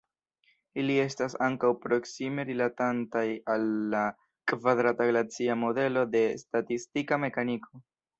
Ili estas ankaŭ proksime rilatantaj al la kvadrata glacia modelo de statistika mekaniko.